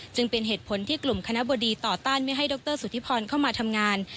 จึงเป็นเหตุผลที่กลุ่มคณะบดีต่อต้านไม่ให้ดรสุธิพรเข้ามาทำงาน